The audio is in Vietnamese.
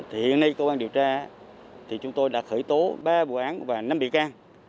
hiện nay công an điều tra chúng tôi đã khởi tố ba vụ án và năm bị can